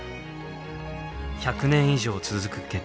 １００年以上続く血統。